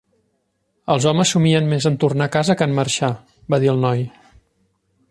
"Els homes somien més en tornar a casa que en marxar", va dir el noi.